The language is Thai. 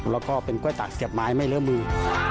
แล้วก็เป็นกล้วยตากเสียบไม้ไม่เลื้อมือ